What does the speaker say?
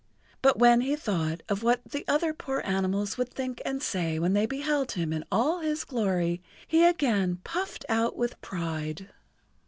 But when he thought of what the other poor animals would think and say when they beheld him in all his glory he again puffed out with pride.